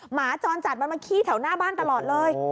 หมาจรจัดมันมาขี้แถวหน้าบ้านตลอดเลย